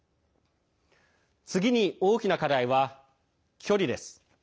次に大きな課題は距離です。